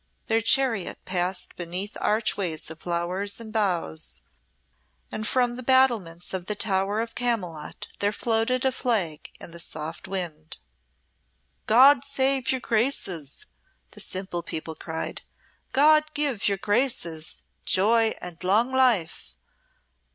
Their chariot passed beneath archways of flowers and boughs, and from the battlements of the Tower of Camylott there floated a flag in the soft wind. "God save your Graces," the simple people cried. "God give your Graces joy and long life!